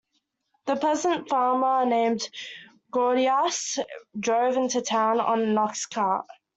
A peasant farmer named Gordias drove into town on an ox-cart.